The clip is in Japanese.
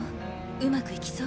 上手くいきそう？